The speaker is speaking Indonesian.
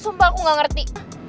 sumpah aku gak ngerti